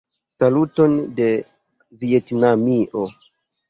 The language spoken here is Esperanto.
Saluton de Vjetnamio!